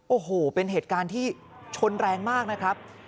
โอ้โหเป็นเหตุการณ์ที่ชนแรงมากนะครับ